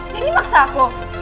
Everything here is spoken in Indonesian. daddy maksa aku